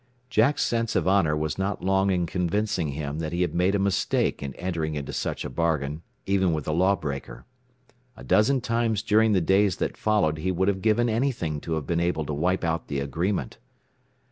Jack's sense of honor was not long in convincing him that he had made a mistake in entering into such a bargain, even with a law breaker. A dozen times during the days that followed he would have given anything to have been able to wipe out the agreement.